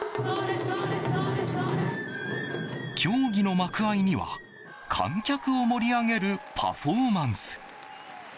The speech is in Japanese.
競技の幕間には、観客を盛り上げるパフォーマンス。